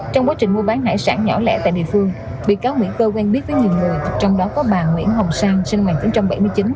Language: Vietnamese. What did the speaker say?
trong quá trình mua bán hải sản nhỏ lẻ tại địa phương bị cáo nguyễn cơ quen biết với nhiều người trong đó có bà nguyễn hồng sang sinh năm một nghìn chín trăm bảy mươi chín